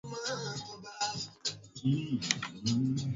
jamhuri ya kidemokrasia ya Kongo kuongoza mashambulizi